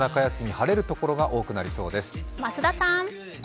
晴れるところが多くなりそうです。